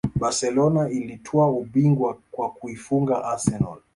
Barcelona ilitwaa ubingwa kwa kuifunga arsenal